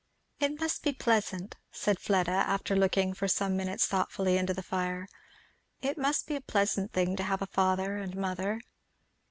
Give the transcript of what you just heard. "] "It must be pleasant," said Fleda, after looking for some minutes thoughtfully into the fire, "it must be a pleasant thing to have a father and mother."